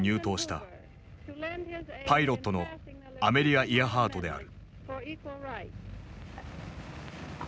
パイロットのアメリア・イアハートである。